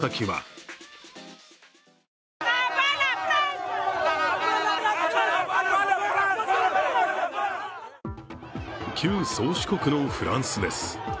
その抗議の矛先は旧宗主国のフランスです。